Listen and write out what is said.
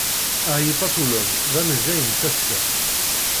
Ahipatulog d amejjay n tasa.